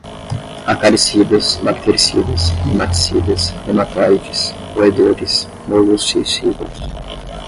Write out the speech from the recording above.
acaricidas, bactericidas, nematicidas, nematoides, roedores, moluscicidas